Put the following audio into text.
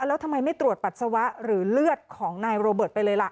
แล้วทำไมไม่ตรวจปัสสาวะหรือเลือดของนายโรเบิร์ตไปเลยล่ะ